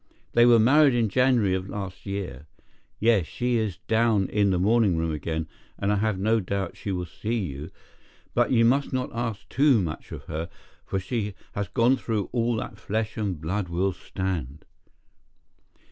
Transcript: They were married in January of last year. Yes, she is down in the morning room again, and I have no doubt she will see you, but you must not ask too much of her, for she has gone through all that flesh and blood will stand."